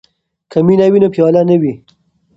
که مینه وي نو پیاله نه وي.